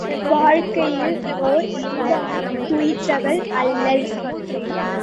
வாழ்க்கையில் ஓர் இன்பமும் துய்த்தவள் அல்லள்.